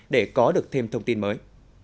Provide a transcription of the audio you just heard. để có được thêm thông tin mới